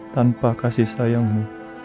tanpa kasih sayangmu